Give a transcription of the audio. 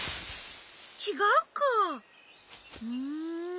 ちがうかうん。